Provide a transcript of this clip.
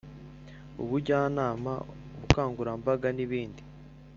ubujyanama ubukangurambaga n ibindi